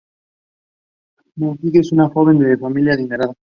Wild pasó a tener el mando y dio entonces por concluida la aventura.